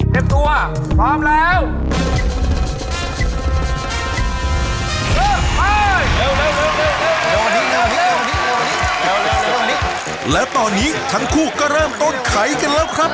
โชคความแม่นแทนนุ่มในศึกที่๒กันแล้วล่ะครับ